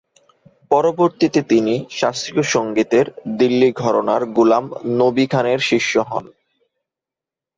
পরবর্তীতে তিনি শাস্ত্রীয় সঙ্গীতের দিল্লি ঘরানার গুলাম নবি খানের শিষ্য হন।